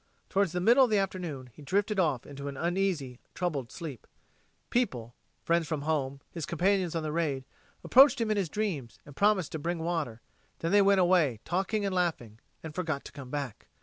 Towards the middle of the afternoon he drifted off into an uneasy, troubled sleep. People friends from home, his companions on the raid approached him in his dreams, and promised to bring water; then they went away, talking and laughing, and forgot to come back.